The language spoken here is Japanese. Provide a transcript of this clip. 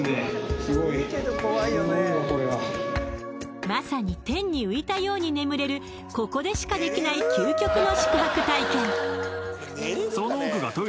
すごいわこれはまさに天に浮いたように眠れるここでしかできない究極の宿泊体験